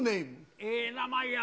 ええ名前やる。